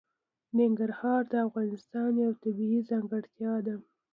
ننګرهار د افغانستان یوه طبیعي ځانګړتیا ده.